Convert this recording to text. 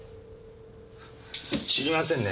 知りませんね。